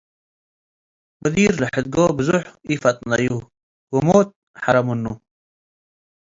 በዲር ለሕድጎ ብዞሕ ኢፈጥነዩ ወሞት ሐረ ምኑ።